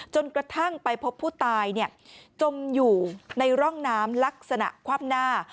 จนกระทั่งไปพบผู้ตายจมอยู่ในร่องน้ำลักษณะคว่ำหน้า